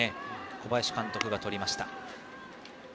小林監督がとりました。